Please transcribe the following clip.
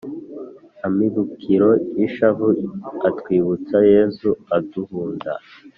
amibukiro y'ishavu atwibutsa yezu adunda